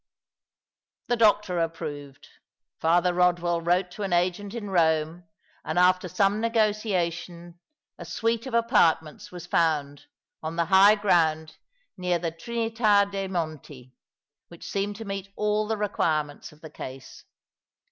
The doctor approved; Father Rod well wrote to an agent in Rome, and after some negotiation a suite of apartments was found on the high ground near the Trinita de' Monti, which seemed to meet all the requirements of the case.